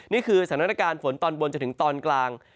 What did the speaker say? นี่คือสถานการณ์ฝนตอนบนจนถึงตอนกลาง